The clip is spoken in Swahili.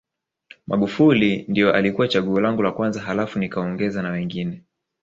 Magufuli ndio alikuwa chaguo langu la kwanza halafu nikaongeza na wengine